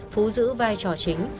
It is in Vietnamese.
phú giữ vai trò chính